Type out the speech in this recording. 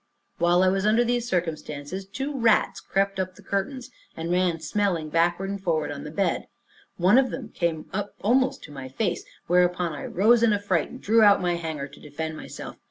While I was under these circumstances, two rats crept up the curtains, and ran smelling backward and forward on the bed. One of them came up almost to my face, whereupon I rose in a fright, and drew out my hanger to defend myself.